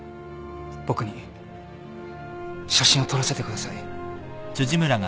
僕に写真を撮らせてください。